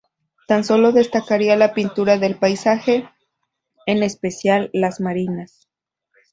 Tan solo destacaría la pintura de paisaje, en especial las marinas.